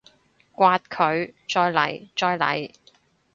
摑佢！再嚟！再嚟！